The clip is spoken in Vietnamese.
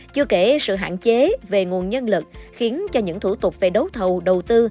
chưa kể sự hạn chế về nguồn nhân lực khiến cho những thủ tục về đấu thầu đầu tư